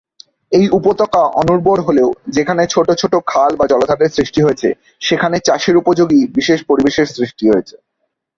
এই উপত্যকা অনুর্বর হলেও যেখানে ছোট ছোট খাল বা জলাধারের সৃষ্টি হয়েছে সেখানে চাষের উপযোগী বিশেষ পরিবেশের সৃষ্টি হয়েছে।